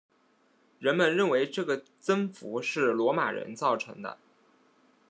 人们认为这个增幅是罗马人造成的。